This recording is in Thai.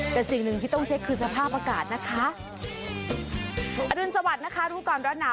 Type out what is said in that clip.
แต่สิ่งหนึ่งที่ต้องเช็คคือสภาพอากาศนะคะ